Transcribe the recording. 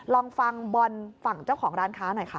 ลองฟังบอลฝั่งเจ้าของร้านค้าหน่อยค่ะ